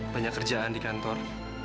banyak kerjaan di kantor